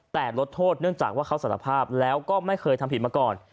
แต่ลดโทษเนื่องจากว่าเขาสารภาพแล้วก็ไม่เคยทำผิดมาก่อน